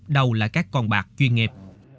đâu là các con bạc chuyên nghiệp